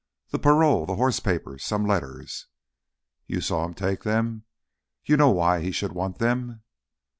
"The parole, the horse papers, some letters...." "You saw him take them? You know why he should want them?"